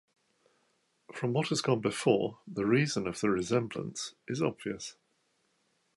From what has gone before, the reason of the resemblance is obvious.